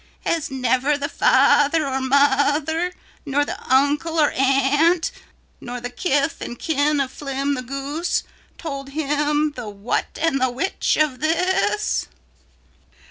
"Has never the father or mother nor the uncle or aunt nor the kith and kin of Flim the Goose told him the what and the which of this?"